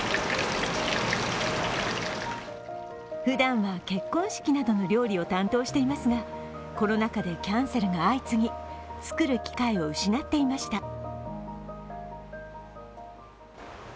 ふだんは結婚式などの料理を担当していますが、コロナ禍でキャンセルが相次ぎ、作る機会を失っていました。